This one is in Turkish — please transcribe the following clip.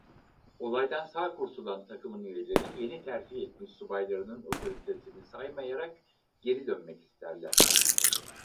Olaydan sağ kurtulan takımın üyeleri yeni terfi etmiş subaylarının otoritesini saymayarak geri dönmek isterler.